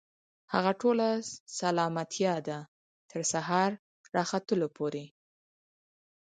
هغه ټوله سلامتيا ده، تر سهار راختلو پوري